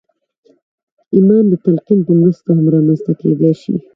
ایمان د تلقین په مرسته هم رامنځته کېدای شي